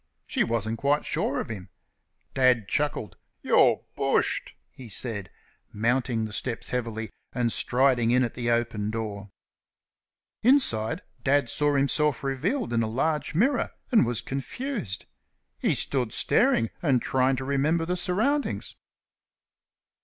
She wasn't quite sure of him. Dad chuckled. "You're bushed!" he said, mounting the steps heavily and striding in at the open door. Inside Dad saw himself revealed in a large mirror, and was confused. He stood staring and trying to remember the surroundings.